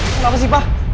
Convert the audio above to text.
kenapa sih pak